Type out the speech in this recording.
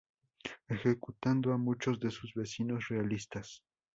Ejecutando a muchos de sus vecinos realistas.